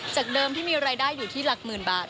เดิมที่มีรายได้อยู่ที่หลักหมื่นบาท